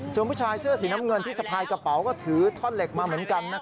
ส่วนผู้ชายเสื้อสีน้ำเงินที่สะพายกระเป๋าก็ถือท่อนเหล็กมาเหมือนกัน